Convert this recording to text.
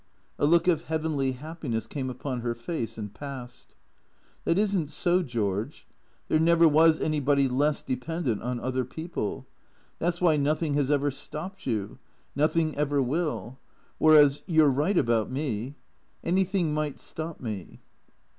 A look of heavenly happiness came upon her face, and passed. " That is n't so, George. There never was anybody less dependent on other people. That 's why nothing has ever stopped you. Nothing ever will. Whereas — you 're right about me. Anything might stop me."